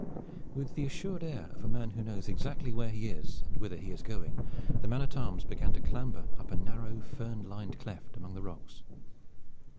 With the assured air of a man who knows exactly where he is and whither he is going, the man at arms began to clamber up a narrow fern lined cleft among the rocks.